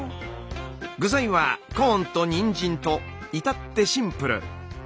具材はコーンとにんじんと至ってシンプル。